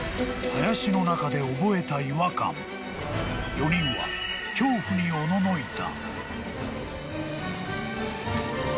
［４人は恐怖におののいた］